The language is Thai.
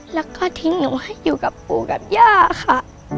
แล้วก็ทิ้งหนูให้อยู่กับปู่กับย่าค่ะ